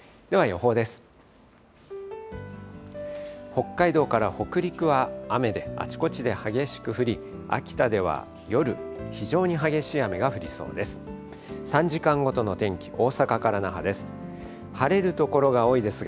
北海道から北陸は雨で、あちこちで激しく降り、秋田では夜、非常に激しい雨が降りそうです。